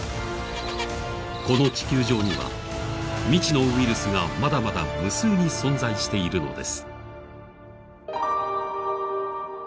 この地球上には、未知のウイルスがまだまだ無数に存在しているのです。